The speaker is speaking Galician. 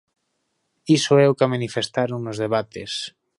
Iso é o que manifestaron nos debates.